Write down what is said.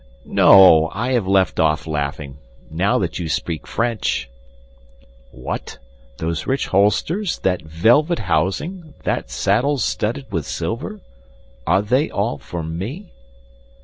"No, I have left off laughing, now that you speak French." "What, those rich holsters, that velvet housing, that saddle studded with silver—are they all for me?"